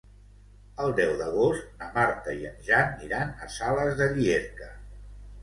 El deu d'agost na Marta i en Jan iran a Sales de Llierca.